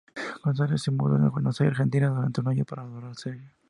González se mudó a Buenos Aires, Argentina durante un año para rodar la serie.